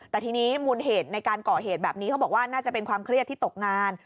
แต่ทีนี้มูลเหตุในการก่อเหตุแบบนี้เขาบอกว่าน่าจะเป็นความเครียดที่ตกงาน